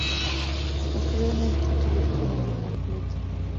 Posteriormente utilizó su nombre completo.